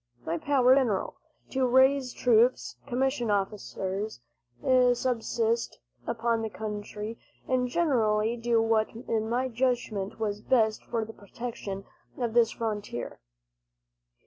My powers were general to raise troops, commission officers, subsist upon the country, and generally to do what in my judgment was best for the protection of this frontier.